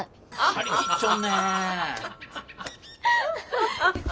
張り切っちょんねえ。